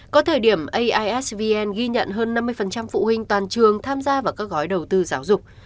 có thời điểm aisvn ghi nhận hơn năm mươi phụ huynh toàn trường tham gia vào các gói đầu tư giáo dục